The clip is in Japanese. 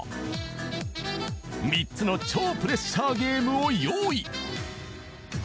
［３つの超プレッシャーゲームを用意］